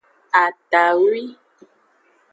Atawi.